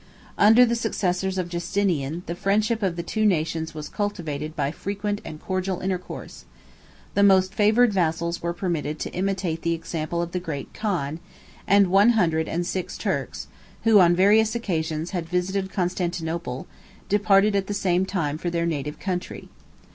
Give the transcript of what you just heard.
Under the successors of Justinian, the friendship of the two nations was cultivated by frequent and cordial intercourse; the most favored vassals were permitted to imitate the example of the great khan, and one hundred and six Turks, who, on various occasions, had visited Constantinople, departed at the same time for their native country.